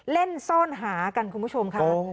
เล่นซ่อนหากันคุณผู้ชมค่ะ